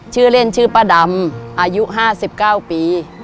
ชื่อเล่นชื่อป้าดำอายุห้าสิบเก้าปี